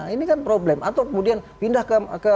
ini kan problem atau kemudian pindah ke